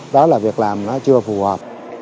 đó là việc làm nó chưa phù hợp